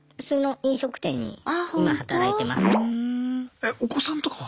えお子さんとかは？